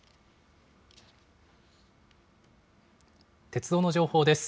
鉄道の情報です。